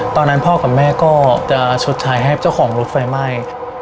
ตอนนั้นพ่อกับแม่ก็จะชดใช้ให้เจ้าของรถไฟไหม้